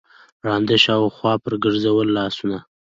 ړانده شاوخوا پر ګرځول لاسونه